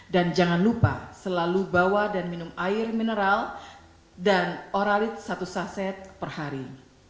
dan jangan lupa selalu bawa dan minum air mineral dan oralit satu saset per hari